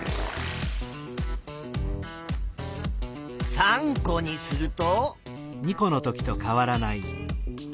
３個にすると。